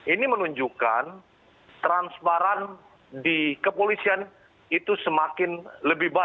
ini menunjukkan transparan di kepolisian itu semakin lebih baik